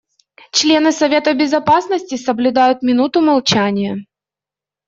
Члены Совета Безопасности соблюдают минуту молчания.